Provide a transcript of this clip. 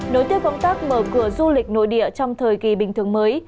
nối tiếp công tác mở cửa du lịch nội địa trong thời kỳ bình thường mới